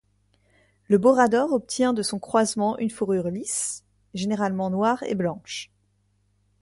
Le borador obtient de son croisement une fourrure lisse, généralement noire et blanche.